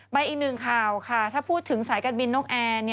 อีกหนึ่งข่าวค่ะถ้าพูดถึงสายการบินนกแอร์